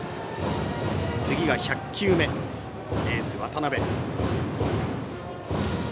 次が１００球目のエース渡辺。